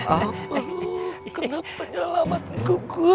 kenapa tidak selamatkan saya